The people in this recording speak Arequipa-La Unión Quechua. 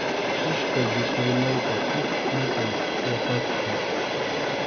Pichqa yupaymanqa huk yupay yapasqam.